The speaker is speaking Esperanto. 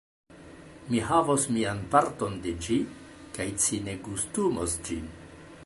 Mi havos mian parton de ĝi, kaj ci ne gustumos ĝin.